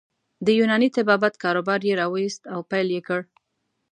د یوناني طبابت کاروبار يې راویست او پیل یې کړ.